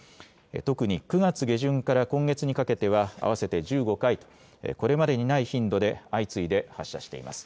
特に９月下旬から今月にかけては合わせて１５回とこれまでにない頻度で相次いで発射しています。